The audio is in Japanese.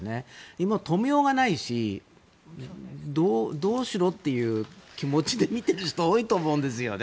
今、止めようがないしどうしろっていう気持ちで見ている人が多いと思うんですよね。